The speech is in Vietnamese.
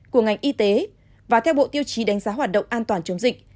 của ngành y tế và theo bộ tiêu chí đánh giá hoạt động an toàn chống dịch